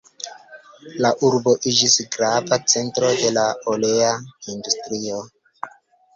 La urbo iĝis grava centro de la olea industrio.